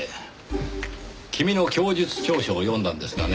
君の供述調書を読んだんですがね。